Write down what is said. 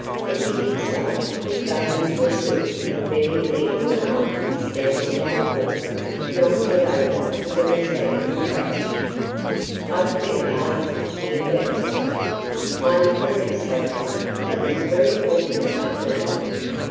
As he did so, he bumped into a suit of medieval armor standing by the wall, knocking it over with a resounding crash. "I beg pardon," he ejaculated, "I'm very sorry. That was very awkward of me."